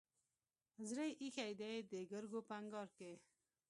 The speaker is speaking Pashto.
زړه يې ايښی دی دګرګو په انګار کې